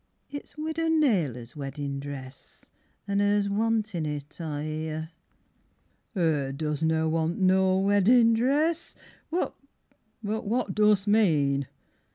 It's Widow Naylor's weddin' dress, An' 'er's wantin it, I hear. 'Er doesna want no weddin dress ... What but what dost mean?